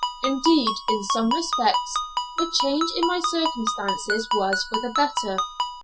Indeed, in some respects the change in my circumstances was for the better.